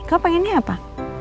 kau pengennya apa